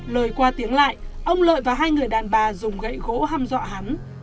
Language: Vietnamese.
lời qua tiếng lại ông lợi và hai người đàn bà dùng gậy gỗ hăm dọa hắn